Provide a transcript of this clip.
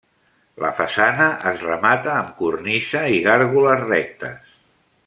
La façana es remata amb cornisa i gàrgoles rectes.